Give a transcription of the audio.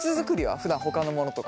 ふだんほかのものとか。